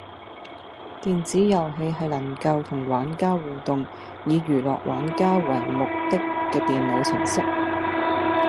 電子遊戲係能夠同玩家互動、以娛樂玩家為目的嘅電腦程式